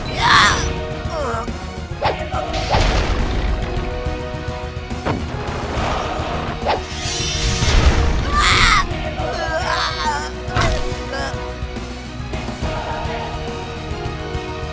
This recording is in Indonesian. wah baru saja menutupi program speed